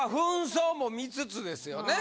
扮装も見つつですよね